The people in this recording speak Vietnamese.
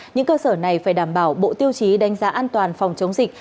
những cơ sở này phải đảm bảo bộ tiêu chí đánh giá an toàn phòng chống dịch